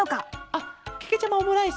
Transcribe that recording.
あっけけちゃまオムライス？